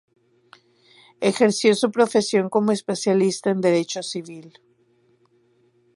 Ejerció su profesión como especialista en Derecho Civil.